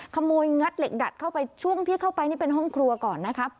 งัดเหล็กดัดเข้าไปช่วงที่เข้าไปนี่เป็นห้องครัวก่อนนะครับ